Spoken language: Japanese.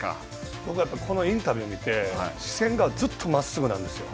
僕はやっぱり、このインタビューを見て、視線がずっと真っすぐなんですよ。